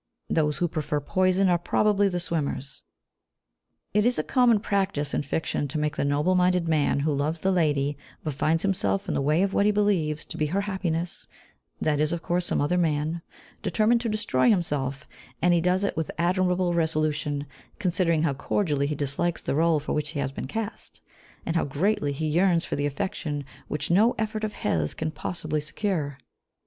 Those who prefer poison are probably the swimmers. It is a common practice in fiction to make the noble minded man who loves the lady, but finds himself in the way of what he believes to be her happiness (that is, of course, some other man), determine to destroy himself; and he does it with admirable resolution, considering how cordially he dislikes the rôle for which he has been cast, and how greatly he yearns for the affection which no effort of his can possibly secure.